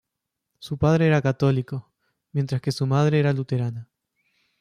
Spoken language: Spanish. Su padre era católico, mientras que su madre era luterana.